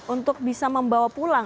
untuk bisa membawa pulang